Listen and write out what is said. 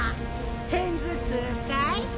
偏頭痛かい？